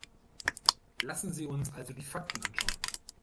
Lassen Sie uns also die Fakten anschauen.